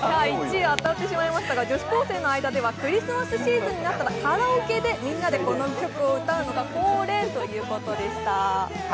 女子高校生の間ではクリスマスシーズンになったらカラオケでみんなでこの曲を歌うのが恒例ということでした。